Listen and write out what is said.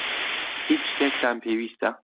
هیچ شتێکتان پێویستە؟